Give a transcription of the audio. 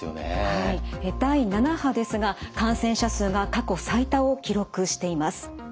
はい第７波ですが感染者数が過去最多を記録しています。